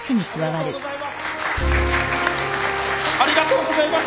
ありがとうございます！